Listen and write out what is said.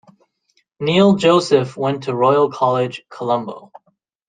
Neil Joseph went to Royal College, Colombo.